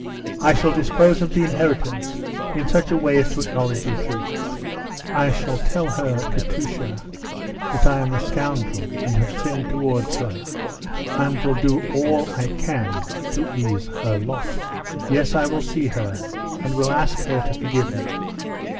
I shall dispose of the inheritance in such a way as to acknowledge the truth. I shall tell her, Katusha, that I am a scoundrel and have sinned towards her, and will do all I can to ease her lot. Yes, I will see her, and will ask her to forgive me.